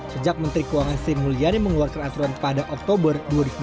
sejak menteri keuangan sri mulyani mengeluarkan aturan pada oktober dua ribu sembilan belas